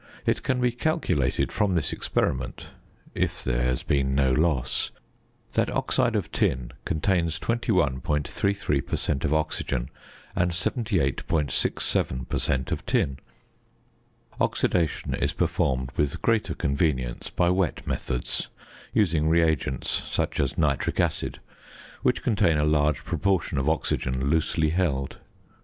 It can be calculated from this experiment (if there has been no loss) that oxide of tin contains 21.33 per cent. of oxygen and 78.67 per cent. of tin. Oxidation is performed with greater convenience by wet methods, using reagents, such as nitric acid, which contain a large proportion of oxygen loosely held.